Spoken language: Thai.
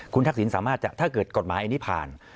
คุณทักษิณสามารถจะถ้าเกิดกฎหมายอันนี้ผ่าน